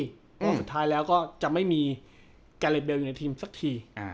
เพราะสุดท้ายแล้วก็จะไม่มีแกเล็บเลอยู่ในทีมสักที